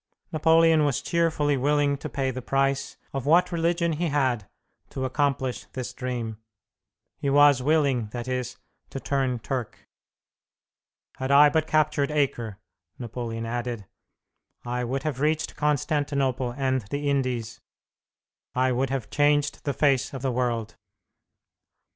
Napoleon was cheerfully willing to pay the price of what religion he had to accomplish this dream. He was willing, that is, to turn Turk. "Had I but captured Acre," Napoleon added, "I would have reached Constantinople and the Indies; I would have changed the face of the world.